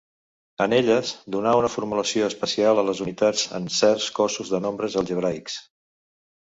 En elles, donà una formulació especial a les unitats en certs cossos de nombres algebraics.